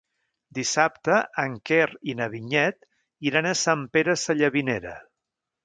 Dissabte en Quer i na Vinyet iran a Sant Pere Sallavinera.